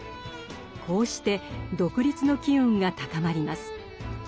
こうして独立の機運が高まります。